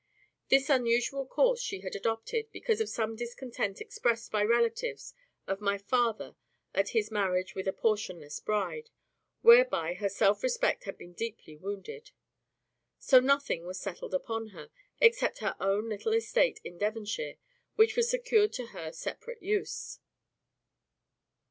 This unusual course she had adopted, because of some discontent expressed by relatives of my father at his marriage with a portionless bride, whereby her self respect had been deeply wounded. So nothing was settled upon her, except her own little estate in Devonshire, which was secured to her separate use.